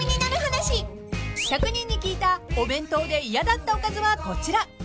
［１００人に聞いたお弁当で嫌だったおかずはこちら］